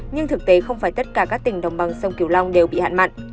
nhưng thực tế không phải tất cả các tỉnh đồng bằng sông kiều long đều bị hạn mặn